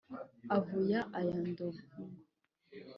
Avuya aya Ndongo